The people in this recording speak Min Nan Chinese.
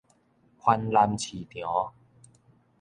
環南市場